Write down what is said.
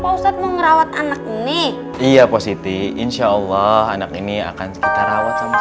poset mengurangkan ini iya positi insyaallah anak ini akan kita rawat sama